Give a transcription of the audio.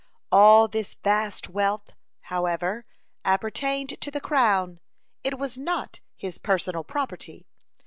(8) All this vast wealth, however, appertained to the crown, it was not his personal property.